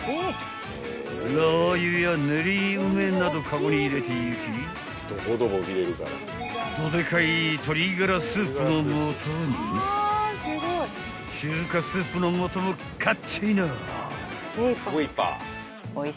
［ラー油やねり梅などカゴに入れていきどでかい鶏がらスープのもとに中華スープのもとも買っチャイナ］